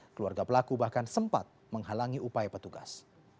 keluarga pelaku bahkan sempat menghalangi upaya petugas